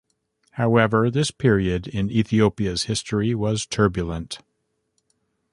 However, this period in Ethiopia's history was turbulent.